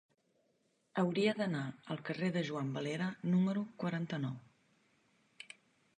Hauria d'anar al carrer de Juan Valera número quaranta-nou.